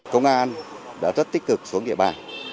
công an đã rất tích cực xuống địa bàn